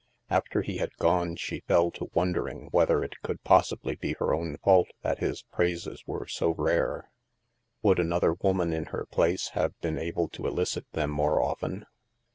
After he had gone, she fell to wondering whether it could possibly be her own fault that his praises were so rare. Would another woman, in her place, have been able to elicit them more often?